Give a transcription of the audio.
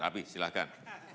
mas raffi silakan